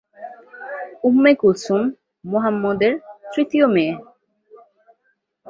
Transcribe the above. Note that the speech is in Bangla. উম্মে কুলসুম মুহাম্মাদের তৃতীয় মেয়ে।